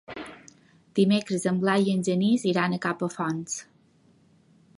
Dimecres en Blai i en Genís iran a Capafonts.